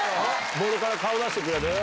ボードから顔出してくれる？